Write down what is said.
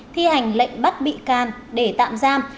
thi hành lệnh bắt bị can để tạm giam